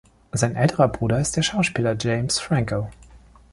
Sein älterer Bruder ist der Schauspieler James Franco.